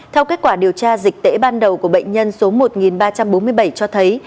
theo kết quả điều tra dịch tễ ban đầu của bệnh nhân số một ba trăm bốn mươi bảy cho thấy